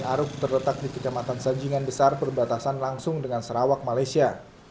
aruk terletak di kecamatan sajingan besar perbatasan langsung dengan sarawak malaysia